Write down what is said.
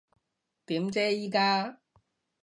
點啫依家？